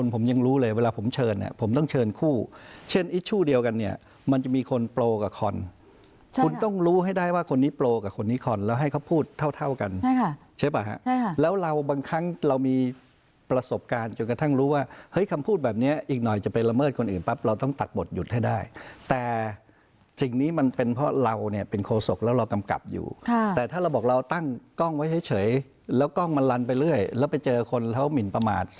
พูดเท่าเท่ากันใช่ค่ะใช่ป่ะฮะใช่ค่ะแล้วเราบางครั้งเรามีประสบการณ์จนกระทั่งรู้ว่าเฮ้ยคำพูดแบบเนี้ยอีกหน่อยจะไปละเมิดคนอื่นปั๊บเราต้องตัดบทหยุดให้ได้แต่จริงนี้มันเป็นเพราะเราเนี้ยเป็นโคสกแล้วเรากำกับอยู่ค่ะแต่ถ้าเราบอกเราตั้งกล้องไว้เฉยเฉยแล้วกล้องมันลันไปเรื่อยแล้วไปเจอคนแล้วมินประมาท